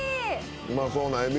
うまそうなエビ。